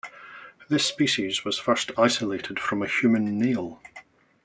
This species was first isolated from a human nail.